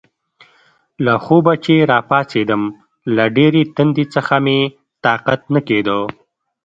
له خوبه چې راپاڅېدم، له ډېرې تندې څخه مې طاقت نه کېده.